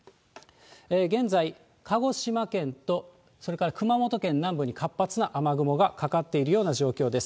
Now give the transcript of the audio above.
現在、鹿児島県と、それから熊本県南部に活発な雨雲がかかっているような状況です。